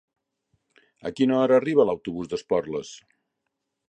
A quina hora arriba l'autobús d'Esporles?